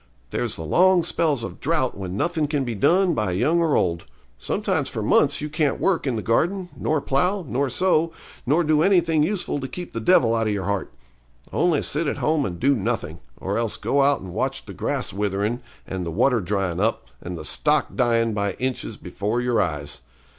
There's the long spells of drought when nothing can be done by young or old. Sometimes for months you can't work in the garden, nor plough, nor sow, nor do anything useful to keep the devil out of your heart. Only sit at home and do nothing, or else go out and watch the grass witherin' and the water dryin' up, and the stock dyin' by inches before your eyes.